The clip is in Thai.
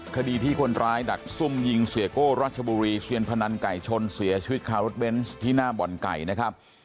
คดีที่คนร้ายดักซุ่มยิงเสียโก้รัชบุรีเซียนพนันไก่ชนเสียชีวิตคารถเบนส์ที่หน้าบ่อนไก่นะครับ